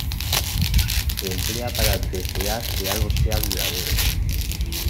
Se emplea para desear que algo sea duradero.